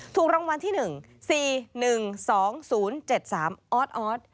ถูกรางวัลที่๑๔๑๒๐๗๓ออสออส